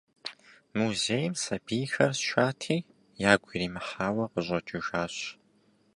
Музейм сабийхэр сшати, ягу иримыхьауэ къыщӏэкӏыжащ.